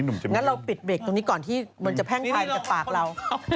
งั้นเราปิดเบรกตรงนี้ก่อนที่มันจะแพ่งภัยจากปากเรา